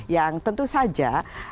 yang tentu saja